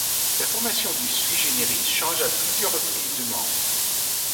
La formation de Sui Generis change à plusieurs reprises de membres.